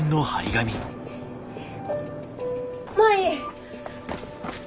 舞！